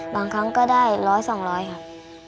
ครั้งก็ได้๑๐๐๒๐๐ครับ